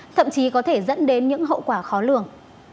thậm chí có thể dẫn đến những hậu quả khó lường